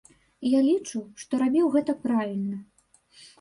Я лічу, што рабіў гэта правільна.